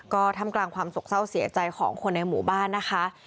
ก็ทำกลางความสกเศร้าเสียใจของคนในหมู่บ้านนะคะ